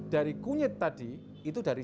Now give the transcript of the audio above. dari kunyit tadi itu dari